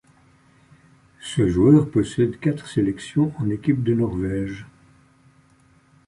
Ce joueur possède quatre sélections en équipe de Norvège.